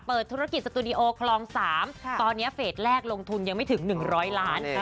ธุรกิจสตูดิโอคลอง๓ตอนนี้เฟสแรกลงทุนยังไม่ถึง๑๐๐ล้าน